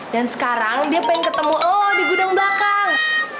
dan sekarang dia pengen ketemu lo di gudang belakang